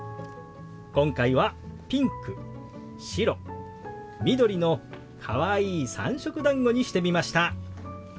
今回はピンク白緑のかわいい三色だんごにしてみました。